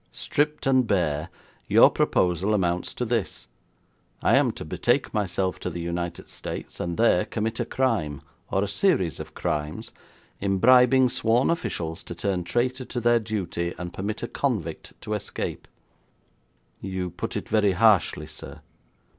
Stripped and bare, your proposal amounts to this. I am to betake myself to the United States, and there commit a crime, or a series of crimes, in bribing sworn officials to turn traitor to their duty and permit a convict to escape.' 'You put it very harshly, sir.